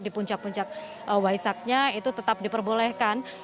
di puncak puncak waisaknya itu tetap diperbolehkan